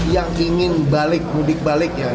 yang ingin balik ke jawa timur